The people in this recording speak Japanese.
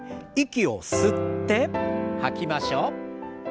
息を吸って吐きましょう。